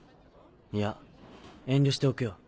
いや遠慮しておくよ。